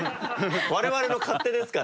我々の勝手ですから。